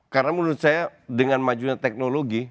karena menurut saya dengan majunya teknologi